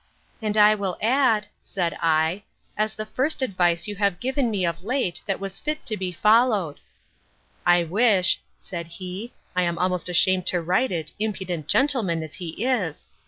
And I will add, said I, as the first advice you have given me of late, that was fit to be followed.—I wish said he, (I am almost ashamed to write it, impudent gentleman as he is!)